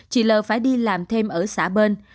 chị l phải đi làm thêm ở xưởng mộc gần nhà